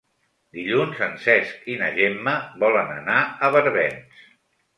Dilluns en Cesc i na Gemma volen anar a Barbens.